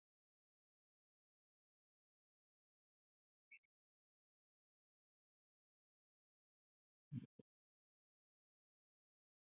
Administre falas sub ĝi la tuta vico de pluaj vilaĝoj.